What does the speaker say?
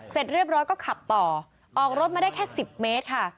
เสร็จเรียบร้อยก็ขับต่อออกรถมาได้แค่๑๐เมตรค่ะ